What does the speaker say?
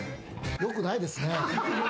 よくないですね。